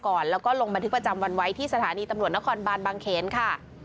ก่อนแล้วก็ลงบันทึกประจำวันไว้ที่สถานีตำรวจนครบานบางเขนค่ะ